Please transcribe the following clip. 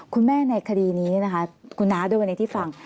คุณแม่ในคดีนี้นะคะคุณน้าโดยวันนี้ที่ฟัง